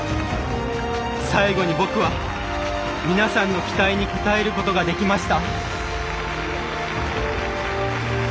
最後に僕は皆さんの期待に応えることができました。